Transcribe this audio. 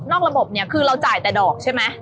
ระบบเนี่ยคือเราจ่ายแต่ดอกใช่ไหม